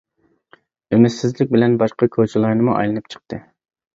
ئۈمىدسىزلىك بىلەن باشقا كوچىلارنىمۇ ئايلىنىپ چىقتى.